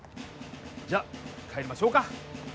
じゃっ帰りましょうか？